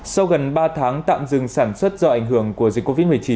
sau gần ba tháng tạm dừng sản xuất do ảnh hưởng của dịch covid một mươi chín